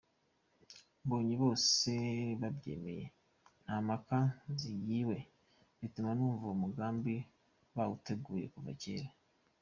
Mbonye bose babyemeye nta mpaka zigiwe bituma numva ko uwo mugambi bawuteguye kuva kera.